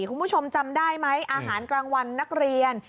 คุณผู้ชมจำได้ไหมอาหารกลางวันนักเรียน